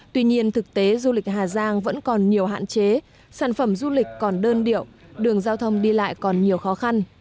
tuy nhiên thực tế du lịch hà giang vẫn còn nhiều hạn chế sản phẩm du lịch còn đơn điệu đường giao thông đi lại còn nhiều khó khăn